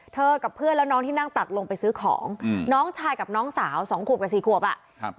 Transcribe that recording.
เธอกับเพื่อนแล้วน้องที่นั่งตักลงไปซื้อของน้องชายกับน้องสาว๒ขวบคนหนึ่ง๔ขวบคนหนึ่ง